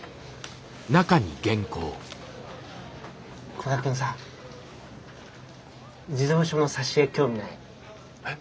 久我君さ児童書の挿絵興味ない？え？